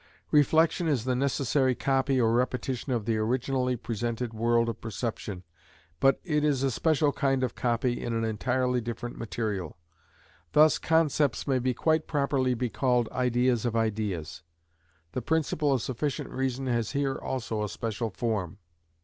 Reflection is the necessary copy or repetition of the originally presented world of perception, but it is a special kind of copy in an entirely different material. Thus concepts may quite properly be called ideas of ideas. The principle of sufficient reason has here also a special form.